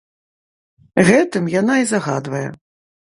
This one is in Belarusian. Гэтым яна і загадвае.